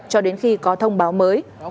cho đến khi có thông báo mới